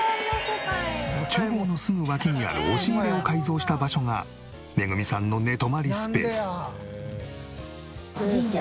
厨房のすぐ脇にある押し入れを改造した場所がめぐみさんの寝泊まりスペース。